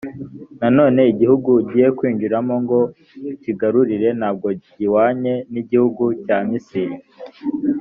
nanone igihugu ugiye kwinjiramo ngo ukigarurire nta bwo gihwanye n’igihugu cya misiri